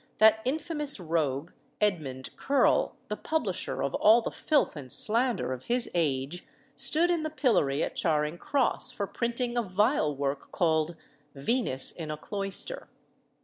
that infamous rogue, Edmund Curll, the publisher of all the filth and slander of his age, stood in the pillory at Charing Cross for printing a vile work called Venus in a Cloyster.